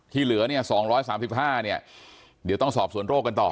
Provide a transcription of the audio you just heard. ที่เหลือ๒๓๕รายเดี๋ยวต้องสอบส่วนโรคกันต่อ